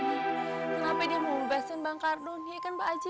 kenapa dia mau bebasin bang kardon iya kan pak aji